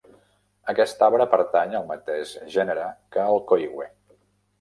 Aquest arbre pertany al mateix gènere que el coigüe.